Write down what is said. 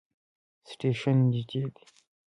سټیشن نژدې دی